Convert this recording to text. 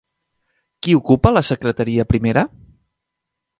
Qui ocupa la secretaria primera?